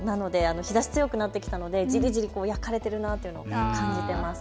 日ざしが強くなってきたのでじりじり焼かれてるなっていうのを感じてます。